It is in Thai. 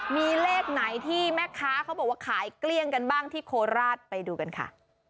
มีเลขไหนที่แม่ค้าเขาบอกว่าขายเกลี้ยงกันบ้างที่โคราชไปดูกันค่ะ